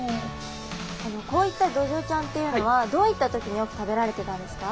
こういったドジョウちゃんっていうのはどういった時によく食べられてたんですか？